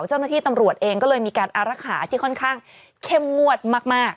เจ้าหน้าที่ตำรวจเองก็เลยมีการอารักษาที่ค่อนข้างเข้มงวดมาก